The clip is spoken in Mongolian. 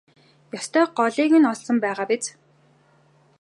Ёстой голыг нь олсон байгаа биз?